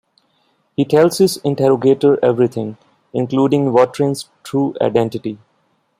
He tells his interrogator everything, including Vautrin's true identity.